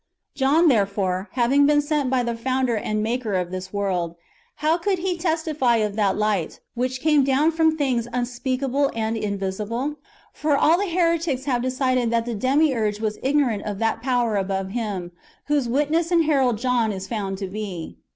John, therefore, having been sent by the founder and maker of this world, how could he testify of that Light, which came down from things unspeakable and invisible? For all the heretics have decided that the Demiurge was ignorant of that Power above him, whose witness and herald John is found to be.